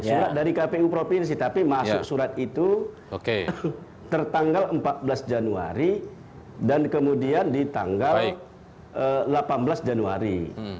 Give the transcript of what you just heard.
surat dari kpu provinsi tapi masuk surat itu tertanggal empat belas januari dan kemudian di tanggal delapan belas januari